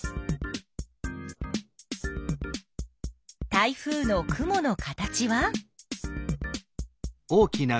台風の雲の形は？